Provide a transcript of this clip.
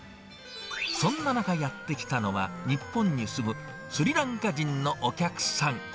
そんな中やって来たのは、日本に住むスリランカ人のお客さん。